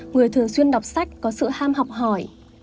người thường xuyên đọc sách có sự ham học hỏi